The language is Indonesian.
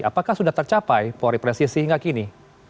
apakah sudah tercapai polri presisi hingga kini